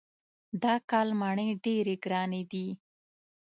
دا کال مڼې ډېرې ګرانې دي.